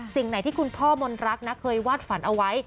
สิ่งไหนที่คุณพ่อมนรักนะเคยวาดฝันเอาไว้